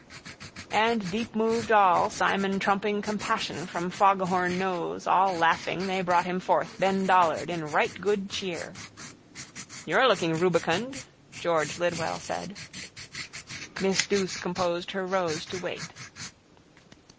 And deepmoved all, Simon trumping compassion from foghorn nose, all laughing they brought him forth, Ben Dollard, in right good cheer. —You're looking rubicund, George Lidwell said. Miss Douce composed her rose to wait.